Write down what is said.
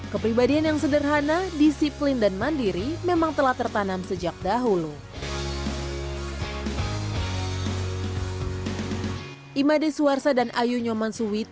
kepribadian yang sederhana disiplin dan mandiri memang telah tertanam sejak dahulu